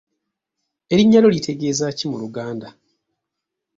Erinnya lyo litegeeza ki mu Luganda.